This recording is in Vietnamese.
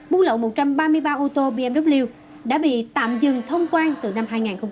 buôn lậu một trăm ba mươi ba ô tô bmw đã bị tạm dừng thông quan từ năm hai nghìn một mươi